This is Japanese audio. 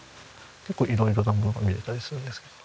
結構色々なものが見られたりするんですけど。